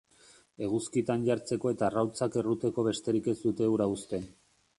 Eguzkitan jartzeko eta arrautzak erruteko besterik ez dute ura uzten.